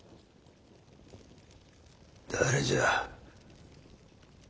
誰じゃ？